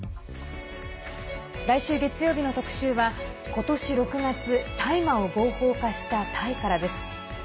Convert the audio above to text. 来週月曜日の特集は、今年６月大麻を合法化したタイからです。